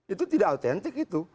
itu tidak otentik itu